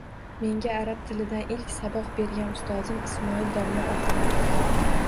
Menga arab tilidan ilk saboq bergan ustozim Ismoil domla Oxunov